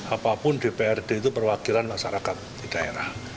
apapun dprd itu perwakilan masyarakat di daerah